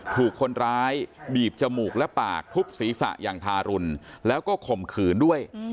ถูกคนร้ายบีบจมูกและปากทุบศีรษะอย่างทารุณแล้วก็ข่มขืนด้วย